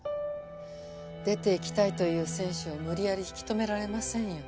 出ていきたいという選手を無理やり引き留められませんよ。